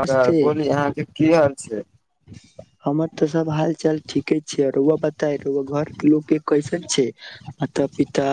आ नमस्ते बोली आहाँके की हाल‌ छैक हमर तऽ सब हाल चाल ठीके छैरो बता घर केँ लोक के कैसन छै माता पिता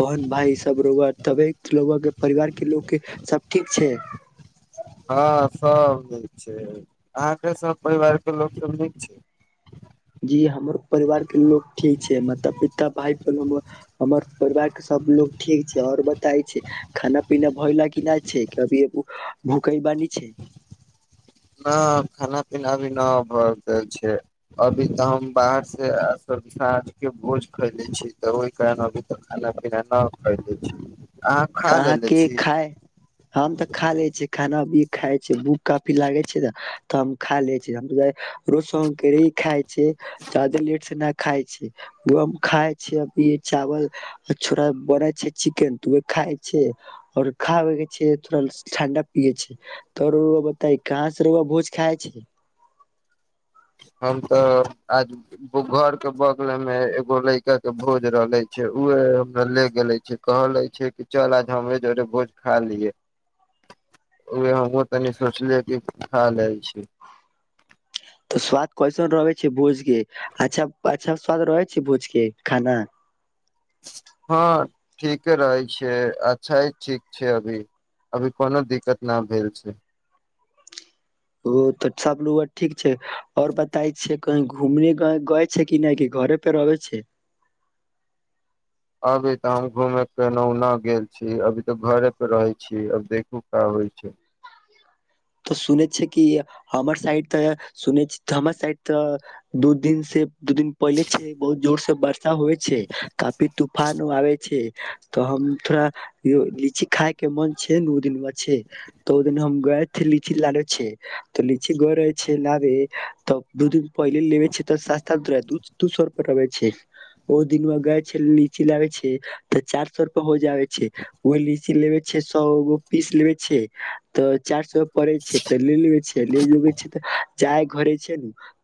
बहन भाय सब रो तबे के परिवार के लोक के सब ठीक छै हँ सब नीक छैक अहाँके सभ परिवार केंँ लोक सब नीक छैक जी हमर परिवार केँ लोग ठीक छैक माता पिता भाय बहिन हमर परिवार केँ सब लोग ठीक छैक आओर बताय छैक खाना पीना भ नहि छैक कभी भूकै बानी छैक नहि खाना पीना भी नहि भऽ गेल छै अभी तऽ हम बाहर से साँझ के भोज खैले छी तऽ ओहि कारण अभी तऽ खाना पीना नहि खैले छी अहाँ खा कहाँ लेले के छी खाय हम तऽ खा ले छी खाना भी खाय छै भूख काफी लागय छै त खा ले छ रोे खााय छै जादे लेट से नहि खााय छै खााय छ अभ चावल छ बन छै चिकेन [unintelligible] खाय छै आओर खाबै के छै ठंडा पियए छै तोर बता कहाँ से रहुआ भोज खाय छैक हम तऽ आज घरके बगलेमे एगो लड़काके भोज रहले छै उ हमरा ले गेले छी कह ले छै कि चल आज हमरे जोरे भोज खा लियै उ हमहूँ तनी सोचलियै कि खा लैत छी तऽ स्वाद कैसन रहय छै भोजके अच्छा अच्छा स्वाद रहय छै भोजकें खाना हँ ठीके रहय छियै अच्छा ठीक छै अभी अभी कोनो दिक्कत नहि भेल छै ओ तऽ सब लोग ठीक छै आओर बताय छै कही घुमने गए छै कि नहि कि घरे पे रहबै छै अभी तऽ हम घूमेयके नहुना गेल छी अभी तऽ घरे पर रहय छी अब देखू का होइ छै तऽ सुनै छै कि हमर साइड तऽ सुनै छी हमर साइड तऽ दू दिन से दू दिन पहिले छै बहुत जोर से वर्षा होइ छै काफी तूफान आबय छै तऽ हम थोड़ा लीची खाय के मन छैय ने उ दिन मे छैय तऽ ओ दिन हम ग लीची लाबे छै त लीची ग रहे छै लाबे तब दू दिन पहिले लेवे छै त सस्ता दू सए रुपे रहे छै ओ दिन ग छै लीची लाबे छै त चार सए रुपे हो जावे छै ओ लीची लेवे छै सएगो पीस लेवे छै त चार सए लेे जाय घरे छैय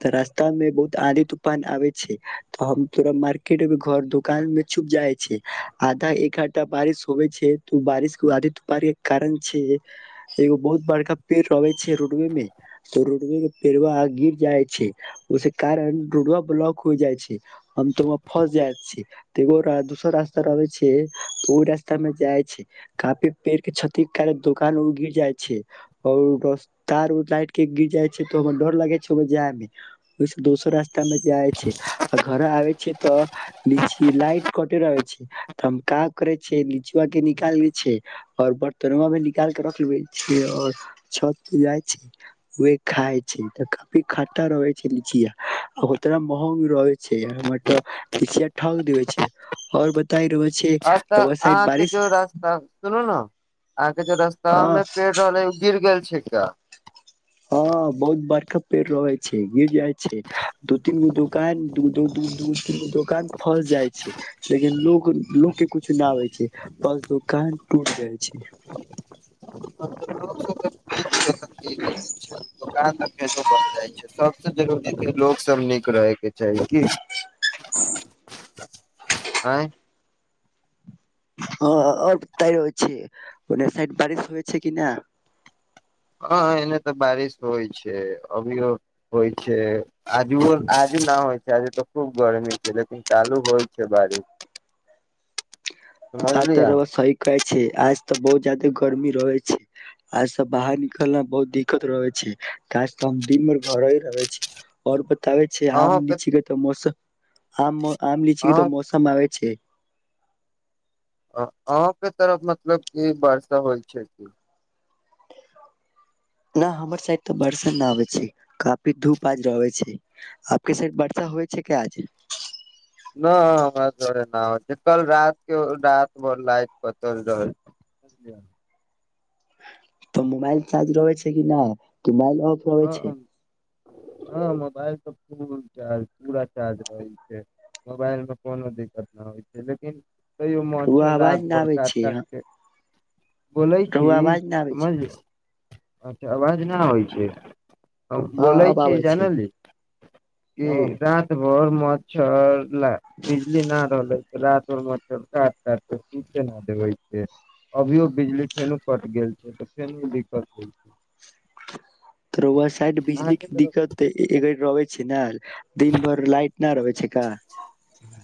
त रास्ता में बहुत आधी तूफान आबे छैय त हम तोरा मार्केट मे घर दुकान मे छुप जाय छैय आधा एक घ्टा बारिश होवे छैय त बारिश के आधी तूफान के कारण छैय एगो बहुत बड़का पेड़ रहे छैय रोडवे में तो रोडवे मे पेड़ गिर जाय छैय उस कारण रोडवा ब्लॉक हो जाय छैय हम तऽ वं फस जाय छी त एगो दोसर रास्ता रहबे छैय ओहि रास्ता में जाय छैय काफी पेड़ के क्षत के कारण दोकान ओ गिर जाय छैय और तार उर लाइट के गिर जाय छैय तो हमरा डर लागे छैय जाय मे ओहिस दोसर रस तमे जाय छैय आ घर आ तऽ लीची लाइट कटे रहै छैय तऽ हम काज करे छ लीची के निकाल ले छ और बर्तनो भ निकाल के रख ले छ आओर छ जाइ छैय व खााय छैय तऽ काफी खाटा रहे छैय लीचिया ओतना महग रहे छैय हम त लीचिया ठक देे छैय और बताई रउआ छै अ तऽ रउआ साइड अहाँके बारिश जो रास्ता सुनू ने आहाँ के जे रस्ता ह में पेड़ रहल हे उ गिर गेल छैय क्या हँ बहुत बरका पेड़ रहै छैय गिर जाइ छैय दू तीन गो दोकान दूर दूर दोकान फस जाइ छैय लेकिन लोक लोक के कुछो नहि आबै छैय बस दोकान टूट जाइ छैय [unintelligible] लोक सब नीक रहै के चाही की आँय ह त हो छैय ओ सइड बारिश होइ छैय की न ह एने तऽ बारिश होइ छैय अभी होइ छैय आजु आज न होइ छैय आज तऽ खूब गरमी छैय लेकिन चालू होइ छैय बारिश भात र ब सह कहै छैय आज तऽ बहुत ज्यादे गर्मी रहे छैय आज सब बाहर निकलना मे बहुत दिक्कत रहे छैय आज त हम दिन भर घरे ही रहे छी और तब छैय अहाँ आम के नीच ग तऽ मौसम आम आम लीच की अहाँ तऽ मौसम आबय छैय अहके तरफ मतलब क वर्षा होइ छैय कि न हमर साइड तऽ वर्षा नहि आबै छैय काफी धूप आज रहै छैय आबके साइड वर्षा होइ छैय क आज [unintelligible] तऽ मोबाइल चार्ज रहै छैय कि ना बै हँ छैय हँ मोबाइल तऽ फूल चार्ज पूरा चार्ज रहै छैय मोबाइलमे कोनो दिक्कत नहि होइ छैय लेकिन तैयो रउआ मच्छर आवाज रात न भर आबे काट छै काटके बोलै छी रउआ आवाज न आबे छै समझल अवाज न आबय छैय [unintelligible] हँ अब आबे छै हँ बर मच्छर ल बिजली नहि रहलै रात भर मच्छर काट काट के सूते न देबै छै अभियो बिजली फेनो कट गेल छै तऽ फेनो दिक्कत होइ छै तऽ रौआ साइड बिजली अहाँके क तरफ दिक्कत तऽ एग आबै छै न दिन भर लाइट ना [unintelligible] छिका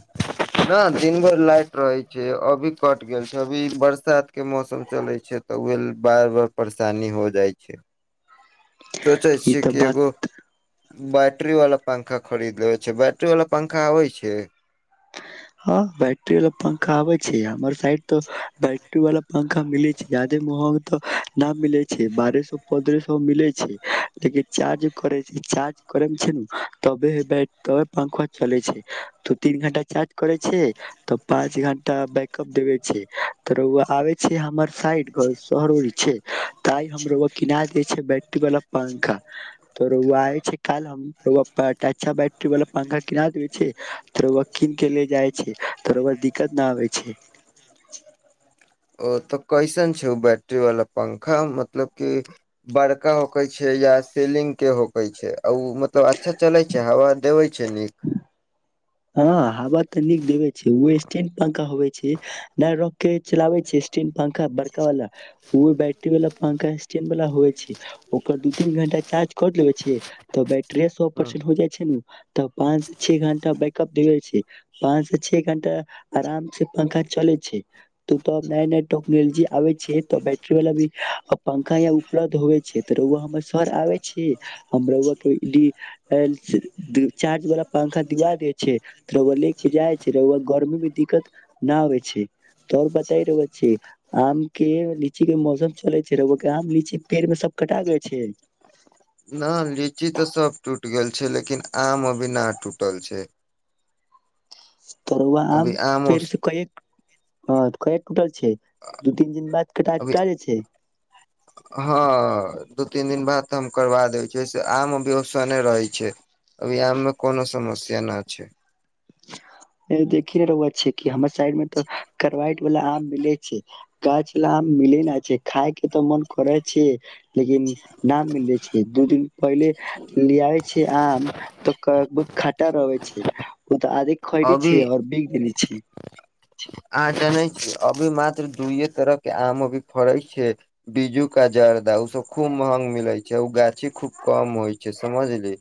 नहि दिन भर लाइट रहै छै अभी कट गेल छै अभी बरसातके मौसम चलै छै तऽ उहे बार - बार परेशानी हो जाइ छै सोचै ई छियै तऽ कि बात एगो बैटरी वाला पंखा खरीद लेब छै बैटरी वाला पंखा होइ छै हाँ बैटरी बला पंखा आबैय छै आब हमर साइड तऽ बैटरी वाल पंखा मिले छै जादे महग त न मिले छै बारह सौ पन्द्रह सै मिले छै लेकिन चार्ज करे छै चार्ज करे मे छै तबे ते पंखा चले छै तू तीन घंटा चार्ज करे छै तऽ पाँच घंटा बैकअप देवे छै त रोआ आबे छै हमर साइड शहर उरी छै आई हमरआ किना दे छै बैटरी वाला पंखा त रोआ आबैय छै काल हम रोआ बड अच्छा बैटरी वाला पंखा किना देेबे छै तोर रोआ के ले जाइ छै त रौआ दिक्कत न आबे छै ओ तऽ कैसन छै ओ बैटरी बला पंखा मतलब कि बड़का होकै छै या सलिंगके होकै छै आ ओ मतलब अच्छा चलै छै हवा देबै छै नीक हँ हवा तऽ नीक देबे छै ओ स्टैंड पंखा होवे छै नहि रख के चलाबै छिय स्टीन पंखा बड़का वाल उ बैटरी वाला पंखा स्टेन्ड वला हो हो छै ओकर दू तीन घंटा चार्ज कर लेबे छी तऽ बेटरीया सौ परसेन्ट हो जाइ छै नू तऽ पाँच स छे घंटा ब दे छै वह से छे घंटा आराम से पंखा चले छै तू त नया नया टेक्नोलॉजी आबे छै तऽ बैटरी वाला भी पंखा या उपलब्ध होइ छै त रोआ हम हमर सर आबे छी हमरा के डी एल्स दू चार्ज वाला पंखा दिवा दे छै त रौआ लेके जाइ छै रोआ गर्मी मे दिक्कत न आबैय छै त और बताई रोआ छै आम के लीची के मौसम चले छै रोआके आम लीची पेड़ मे सब कटा छै नहि लीची तऽ सभ टूटि गेल छै लेकिन आम अभी न टूटल छै त रोआ आम अभी पेड़ उस स केएक ह कए टूटल छै दू तीन दिन बाद कटा अभी कल छै हँ दू तीन दिन बाद तऽ हम करबा दै छी से आम अभी ओसनेे रहै छै अभी आम मे कोनो समस्या नहि छै देखि नहि रोआ छे कि हमर साइड मे तऽ कर बाइट वाल आम मिले छै गाछ वला आम मिले नहि छै खााय के तऽ मन करै छै लेकिन ना मिलले छै दू दिन पहिले लेयाइ छै आम तऽ खाटा रहै छै ओ तऽ आधिक खाइने अभी छिय आओर बिग देने छी अहाँ जानै छी अभी मात्र दुये तरह के आम अभी फड़े छै बीज्जू का जर्दा ओ सब खूब महंग मिलै छै ओ गाछी खूब कम होइ छै समझली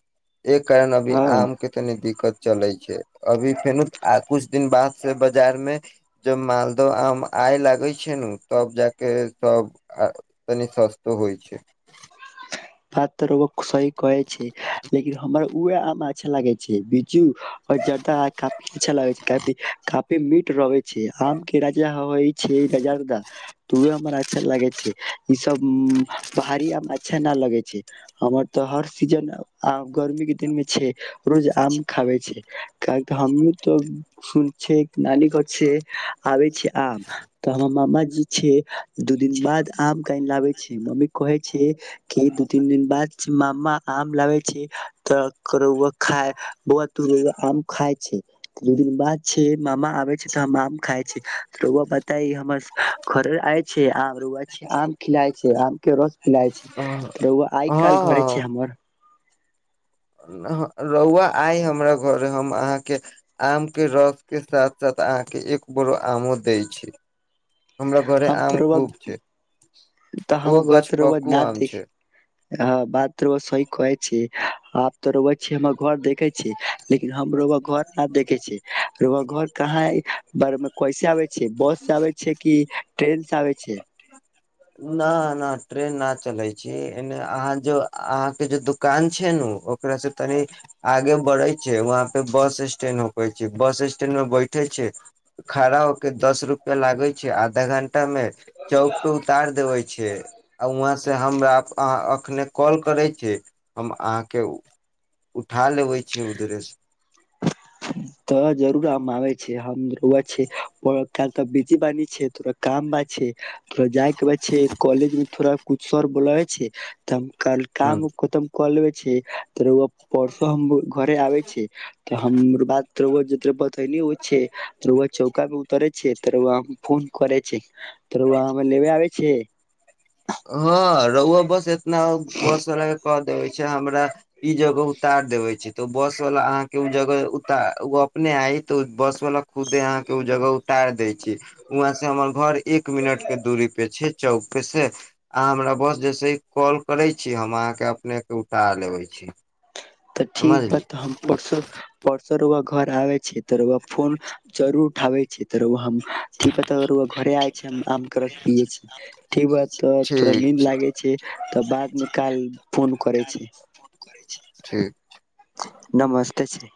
एक कारण अभी हँ। आम के तनी दिक्कत चले छै अभी फेनो कुछ दिन बाद से बाजार में जब मालदह आम आय लागे छै ने तब जाक सब तनि सस्तो होइ छै बात त रुउआ सही कहे छै लेकिन हमर उह आम अच्छा लागे छै बिज्जू आर जर्दा काफी अच्छा लगे छै काफी मीट रहे छै आम के राजा होइ छै रजार द तो हमर अच्छा लगे छै ई सब भारी अच्छा न लगे हमर तऽ हर सीजन गर्मी के दिन मे छै रोज आम खाबे छै काह हमी तऽ सुन छ नानी घर से आबे छी आम तऽ हमर मामााजी छै दू दिन बाद आम कान लाबे छै मम्मी कहे छै कि तीन दिन बाद छै मामा आम लाबे छै तऽकरौआ खाय बौआ तोआ आम खााय छै दू दिन बाद छै मामा आबे छै तऽ हम आम खााय छै रआ बता हमर घरे आइ छै आम रआ छै आम खिलाय छै आम के रस पिलाय छै हँ त रउआ आइ काल् घरे छै हँ हमर रहुआ आइ हमरा घर हम अहाँके आम के रसके साथ साथ अहाँके एक बोरो आमो दै छी हमरा घर हम आम तऽ रौआ खूब छै तऽ ओ हम घर गछ तऽ रउआ पक्कू न आम देख छै ह बात रउआ सही कह छी आब तो रउआ छी हम घर देखे छी लेकिन हम रउआ घर नहि देखे छी घर कहाँ है बारे में क [unintelligible] बस से आबै छै कि ट्रेन्स से आबे छिये न नहि ट्रेन न चलै छै एने अहाँ ज अहाँके जे दुकान छै ने ओकरा से तनी आगे पड़े छै वहां पे बस स्टैंड होकर छै बस स्टैंड में बैठे छै खड़ा हो के दस रूपआ लागे छै आधा घंटा मे चौक टू उतार देबे छै आ वहाँ से हमरा अखने कॉल करै छी हम आहा के उठा लेबे छी उघरे से तऽ जरूर आम आ छै आ रव छै काल तऽ बीजी बनी छै तोड़ काम ब छै थोड़ा जाय के बाद छै कॉलेज मे थोड़ा कुछ सर बोला होइ छै तऽ काल ह काम खतम क छि त रउआ परसो हम घरे आबै छी तऽ बात रउआ जते बतेने रहै छे त चौका मे उतरे छै तर फोन करे छै तर रउआ हमरा लेमे आबै छै रउआ बस सेतना बस ल क तऽ ओहिस हमरा इ जगह क उतार देबै तऽ बस वाला अहाँके उ जगह उता ओ अपने आई तऽ बस वाला खुद अहाँ के उ जगह उतार दे छै ज [inaudible] वहं से हमर घर एक मिनट के दूरी पे छैक चौकस अहाँ हमरा बस जैसे ही कॉल करै छी हम अहाँके अपनेकेँ उठार लेबै छी तऽ ठीक बात समझली तऽ हम परसो सर ओरा घर आबै छियै तऽर ओरा फोन जरूर उठाबै छियै तऽरु हम ठीक बा घरे आय छै आम के रस पियए छी ठीक ब तऽ थोड़ा नींद लागे छै तऽ बाद मे काल फोन करे छै ठीक नमस्ते छै